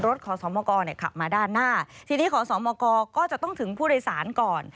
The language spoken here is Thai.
ขอสมกรขับมาด้านหน้าทีนี้ขอสมกก็จะต้องถึงผู้โดยสารก่อน